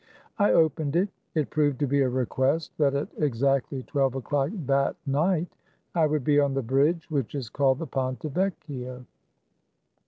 I opened it. It proved to be a request that at exactly twelve o'clock that night I would be on the bridge which is called the Ponte Vecchio.